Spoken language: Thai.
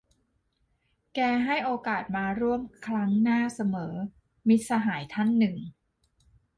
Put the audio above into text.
แกให้โอกาสมาร่วมครั้งหน้าเสมอ - มิตรสหายท่านหนึ่ง